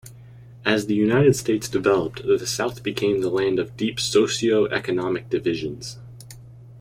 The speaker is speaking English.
As the United States developed, the south became the land of deep socioeconomic divisions.